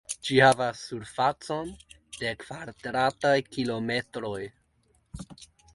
Ĝi havas surfacon de kvadrataj kilometroj.